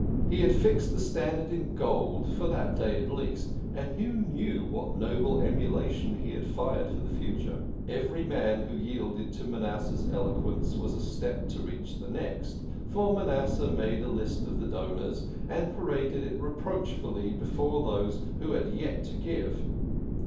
He had fixed the standard in gold for that day at least, and who knew what noble emulation he had fired for the future? Every man who yielded to Manasseh's eloquence was a step to reach the next, for Manasseh made a list of donors, and paraded it reproachfully before those who had yet to give.